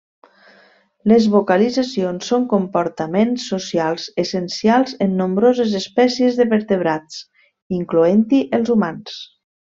Les vocalitzacions són comportaments socials essencials en nombroses espècies de vertebrats, incloent-hi els humans.